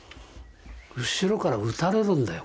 後ろから撃たれるんだよ